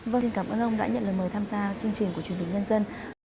vâng cảm ơn ông đã nhận lời mời tham gia chương trình của truyền thình nhân dân